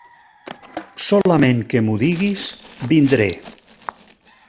Solament que m'ho diguis, vindré.